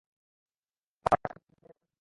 তারা খাঁচার বাইরে বের হওয়ার চেষ্টাও করে না।